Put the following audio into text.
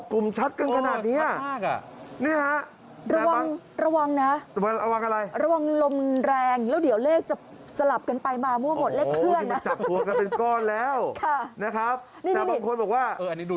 แต่บางคนบอกว่า